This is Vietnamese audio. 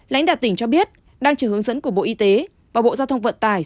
lãnh đạo tỉnh cho biết đang chờ hướng dẫn của bộ y tế và bộ giao thông vận tải